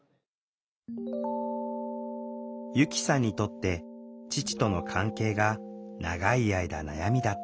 由希さんにとって父との関係が長い間悩みだった。